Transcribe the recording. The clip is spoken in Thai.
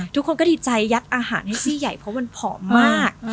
ทุกคนก็ดีใจยัดอาหารให้ซี่ใหญ่เพราะมันผอมมาก